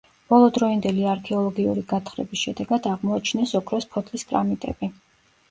ბოლო დროინდელი არქეოლოგიური გათხრების შედეგად აღმოაჩინეს ოქროს ფოთლის კრამიტები.